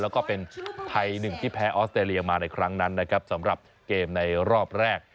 แล้วก็เป็นไทยหนึ่งที่แพ้ออสเตรเลียมาในครั้งนั้นนะครับสำหรับเกมในรอบแรก